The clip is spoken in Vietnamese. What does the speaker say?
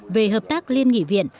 về hợp tác liên nghị viện